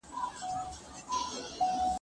ته ولاړه وې د زړه په ایینه کې